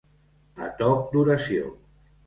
A toc d'oració.